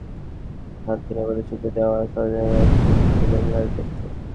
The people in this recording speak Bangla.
নদী থেকে লাশগুলো তোলার সময় শান্তিনগরে ছুটে যাওয়া স্বজনেরা ছুটছিলেন লাশ দেখতে।